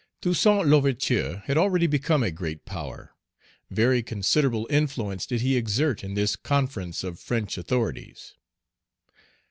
Toussaint L'Ouverture had already become a great power. Very considerable influence did he exert in this conference of French authorities.